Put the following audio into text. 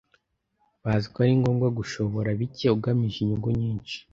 bazi ko ari ngombwa gushobora bike ugamije inyungu nyinshi.